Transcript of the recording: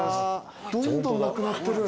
どんどんなくなってる。